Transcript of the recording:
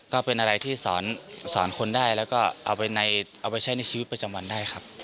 ก็เป็นอะไรที่สอนคนได้แล้วก็เอาไปใช้ในชีวิตประจำวันได้ครับ